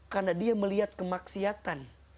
karena dia melihat kemaksiatan